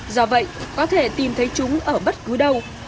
do vậy có thể tìm thấy chúng ở bất cứ đâu